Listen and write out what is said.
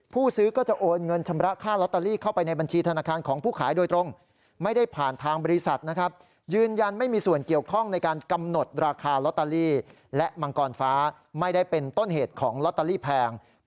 ผู้ซื้อก็จะโอนเงินชำระค่าลอตเตอรี่เข้าไปในบัญชีธนาคารของผู้ขายโดยตรง